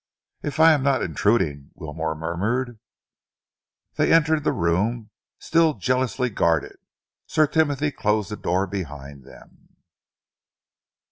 "If I am not intruding," Wilmore murmured. They entered the room, still jealously guarded. Sir Timothy closed the door behind them.